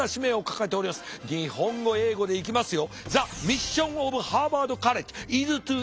日本語英語でいきますよ。